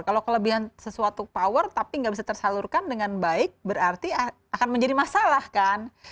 kalau kelebihan sesuatu power tapi nggak bisa tersalurkan dengan baik berarti akan menjadi masalah kan